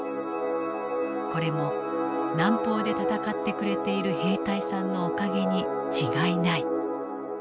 これも南方で戦って呉ている兵隊さんのお蔭にちがいない」。